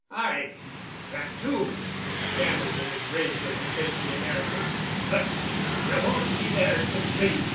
"Ay—that too," he stammered in his rage as he faced the American, "but you won't be there to see.